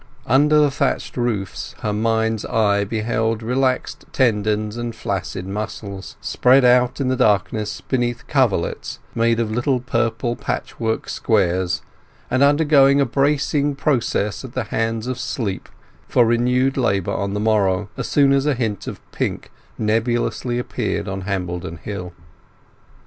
Under the thatched roofs her mind's eye beheld relaxed tendons and flaccid muscles, spread out in the darkness beneath coverlets made of little purple patchwork squares, and undergoing a bracing process at the hands of sleep for renewed labour on the morrow, as soon as a hint of pink nebulosity appeared on Hambledon Hill.